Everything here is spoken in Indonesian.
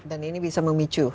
dan ini bisa memicu